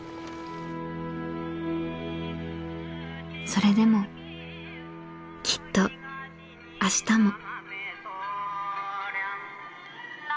それでもきっと明日も。